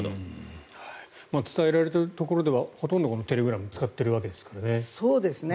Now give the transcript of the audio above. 伝えられているところではほとんどテレグラムを使っているわけですからね。